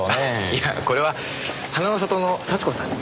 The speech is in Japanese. いやこれは花の里の幸子さんに。